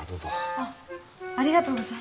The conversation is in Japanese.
あっありがとうござい